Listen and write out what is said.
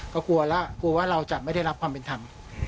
ก็กลัวแล้วกลัวว่าเราจะไม่ได้รับความเป็นธรรม